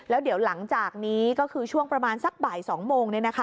แล้วเดี๋ยวหลังจากนี้ก็คือช่วงประมาณสักบ่าย๒โมง